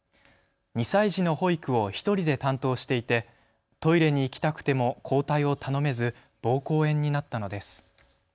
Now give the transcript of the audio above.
２歳児の保育を１人で担当していてトイレに行きたくても交代を頼めずぼうこう炎になったのです。